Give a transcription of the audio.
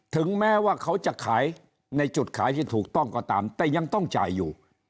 ถึงแม้ว่าเขาจะขายในจุดขายที่ถูกต้องก็ตามแต่ยังต้องจ่ายอยู่